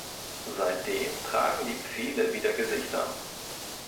Seitdem tragen die Pfähle wieder Gesichter.